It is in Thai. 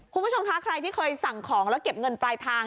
คุณผู้ชมคะใครที่เคยสั่งของแล้วเก็บเงินปลายทาง